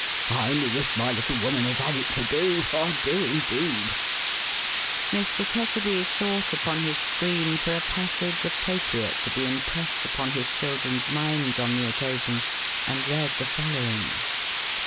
I only wish my little woman had had it to do, I do indeed !" Mr. Tetterby sought upon his screen for a passage appro priate to be impressed upon his children's minds on the occasion, and read the following.